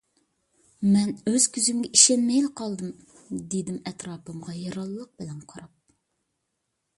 — مەن ئۆز كۆزۈمگە ئىشەنمەيلا قالدىم، — دېدىم ئەتراپىمغا ھەيرانلىق بىلەن قاراپ.